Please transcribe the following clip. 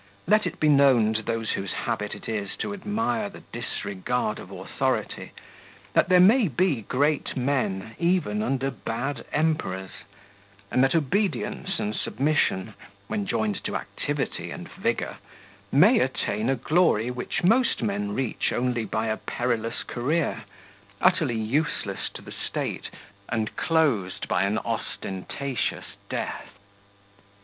Let it be known to those whose habit it is to admire the disregard of authority, that there may be great men even under bad emperors, and that obedience and submission, when joined to activity and vigour, may attain a glory which most men reach only by a perilous career, utterly useless to the state, and closed by an ostentatious death.